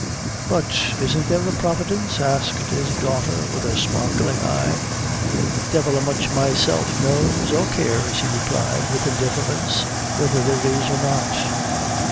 "But isn't there a Providence?" asked his daughter, with a sparkling eye. "Devil a much myself knows or cares," he replied, with indifference, "whether there is or not."